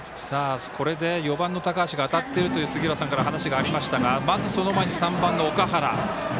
これで４番の高橋が当たっているという杉浦さんからお話がありましたがまず、その前に３番の岳原。